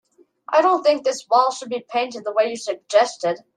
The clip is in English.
I don't think this wall should be painted the way you suggested.